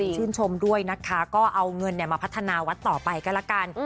ชื่นชมด้วยนะคะก็เอาเงินมาพัฒนาวัดต่อไปก็ละกัน